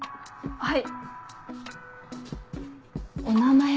はい。